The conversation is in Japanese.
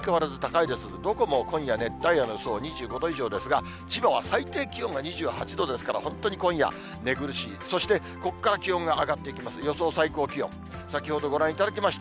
どこも今夜、熱帯夜の予想、２５度以上ですが、千葉は最低気温が２８度ですから、本当に今夜寝苦しい、そしてここから気温が上がっていきます。